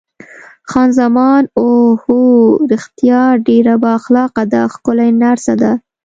خان زمان: اوه هو، رښتیا ډېره با اخلاقه ده، ښکلې نرسه ده.